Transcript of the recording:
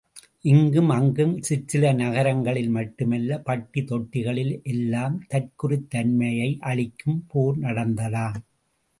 இங்கும் அங்கும் சிற்சில நகரங்களில் மட்டுமல்ல, பட்டி தொட்டிகளில் எல்லாம் தற்குறித் தன்மையை அழிக்கும் போர் நடந்ததாம்.